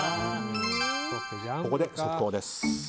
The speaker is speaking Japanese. ここで速報です。